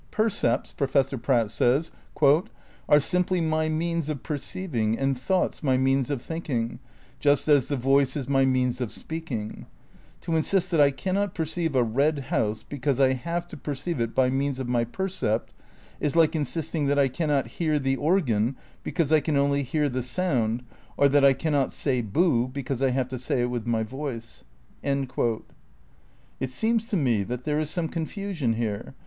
Percepts, Professor Pratt says, "are simply my means of perceiving and thoughts my means of thinking, jnst as the voice is my means of speaking; to insist that I cannot perceive a red house because I have to perceive it by means of my percept is like insisting that I cannot hear the organ because I can only hear the sound, or that I cannot say 'Boo' because I have to say it with my voice." ' It seems to me that there is some confusion here.